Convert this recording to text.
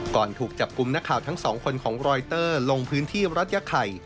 ถูกจับกลุ่มนักข่าวทั้งสองคนของรอยเตอร์ลงพื้นที่รัฐยาไข่